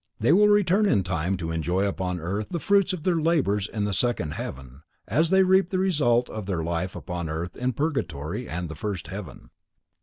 They will return in time to enjoy upon earth the fruits of their labors in the second heaven, as they reap the result of their life upon earth in purgatory and the first heaven.